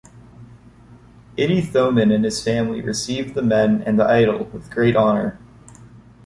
Itty Thommen and his family received the men and the idol with great honour.